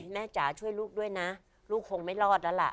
จ๋าช่วยลูกด้วยนะลูกคงไม่รอดแล้วล่ะ